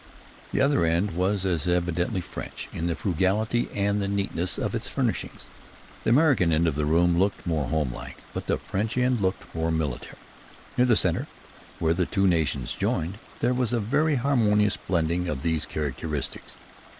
The other end was as evidently French, in the frugality and the neatness of its furnishings. The American end of the room looked more homelike, but the French end more military. Near the center, where the two nations joined, there was a very harmonious blending of these characteristics.